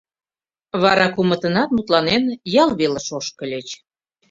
Вара кумытынат, мутланен, ял велыш ошкыльыч.